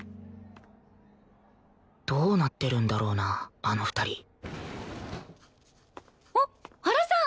どうなってるんだろうなあの２人あっ原さん！